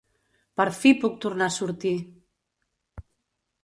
Per fi puc tornar a sortir!